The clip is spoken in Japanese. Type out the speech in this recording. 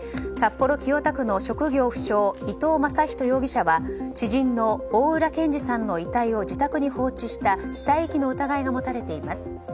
札幌・清田区の職業不詳伊藤正人容疑者は知人の大浦健司さんの遺体を自宅に放置した死体遺棄の疑いが持たれています。